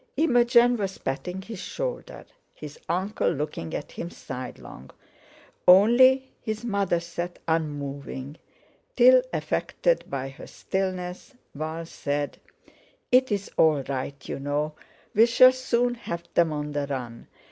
Imogen was patting his shoulder, his uncle looking at him sidelong; only his mother sat unmoving, till, affected by her stillness, Val said: "It's all right, you know; we shall soon have them on the run.